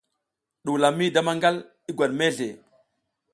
Ɗuwula mi da maƞgal, i ngwat mezle.